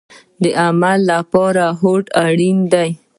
د عمل لپاره هوډ اړین دی